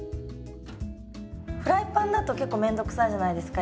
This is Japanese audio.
フライパンだと結構面倒くさいじゃないですか。